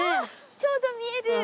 ちょうど見える。